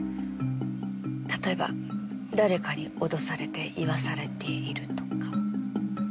例えば誰かに脅されて言わされているとか。